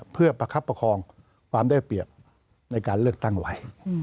เพื่อประคับประคองความได้เปรียบในการเลือกตั้งไว้